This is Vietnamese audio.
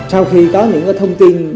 sau khi có những thông tin